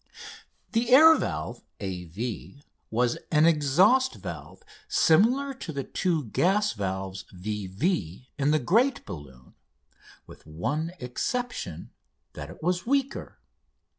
5] The air valve AV was an exhaust valve similar to the two gas valves VV in the great balloon, with the one exception that it was weaker.